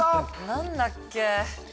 何だっけ？